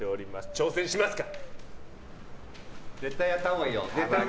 挑戦しますか？